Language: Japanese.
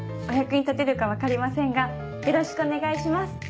お役に立てるか分かりませんがよろしくお願いします。